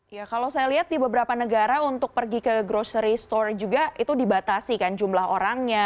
ya kalau saya lihat di beberapa negara untuk pergi ke grocery store juga itu dibatasi kan jumlah orangnya